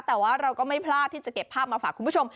แต่ว่าเราก็ไม่พลาดที่จะเก็บภาพมาฝากคุณผู้ชม